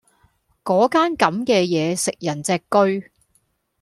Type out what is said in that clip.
果間咁嘅野食人隻車